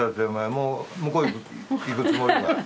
もう向こうへ行くつもりなん？